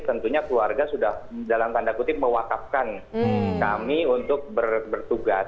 tentunya keluarga sudah dalam tanda kutip mewakafkan kami untuk bertugas